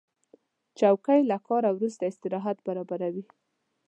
چوکۍ له کار وروسته استراحت برابروي.